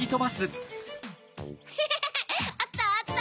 ヘヘヘへあったあった！